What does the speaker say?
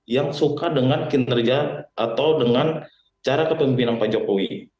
yang suka dengan kinerja atau dengan cara kepemimpinan pak jokowi